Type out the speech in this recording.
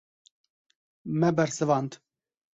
Me bersivand.